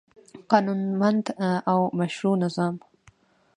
قانونمند او مشروع نظام